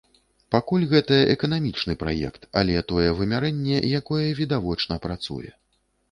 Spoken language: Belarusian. Пакуль гэта эканамічны праект, але тое вымярэнне, якое відавочна працуе.